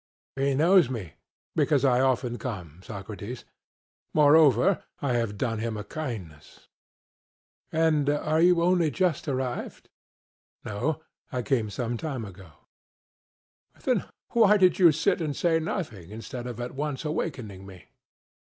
CRITO: He knows me because I often come, Socrates; moreover. I have done him a kindness. SOCRATES: And are you only just arrived? CRITO: No, I came some time ago. SOCRATES: Then why did you sit and say nothing, instead of at once awakening me?